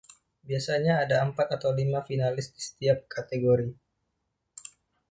Biasanya ada empat atau lima finalis di setiap kategori.